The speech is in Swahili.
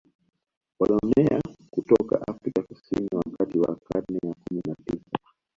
Walioenea kutoka Afrika Kusini wakati wa karne ya kumi na tisa